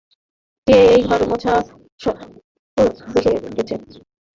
কে এই ঘর মোছা স্পঞ্জ রেখে গেছে?